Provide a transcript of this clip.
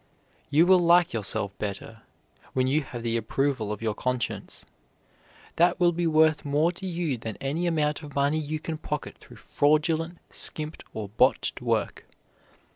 You will like yourself better when you have the approval of your conscience. That will be worth more to you than any amount of money you can pocket through fraudulent, skimped, or botched work.